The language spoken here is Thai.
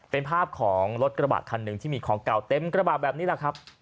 เป็นภาพของรถกระบะคันหนึ่งที่มีของเก่าเต็มกระบะแบบนี้แหละครับ